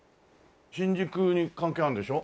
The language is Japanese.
新宿に関係あるんでしょ？